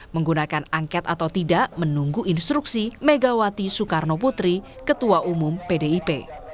menggunakan angket atau tidak menunggu instruksi megawati soekarno putri ketua umum pdip